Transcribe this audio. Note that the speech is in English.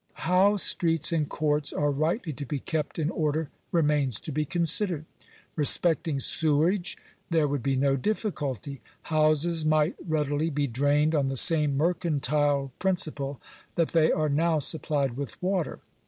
How streets and courts are rightly to be kept in order remains to be considered. Respecting sewage there would be no difficulty. Houses might readily be drained on Digitized by VjOOQIC 894 aAKlTA&T SUPERVISION. the same mercantile principle that they are now supplied with water.